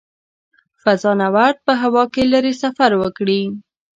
فضانورد په هوا کې لیرې سفر وکړي.